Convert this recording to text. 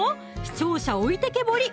視聴者置いてけぼり！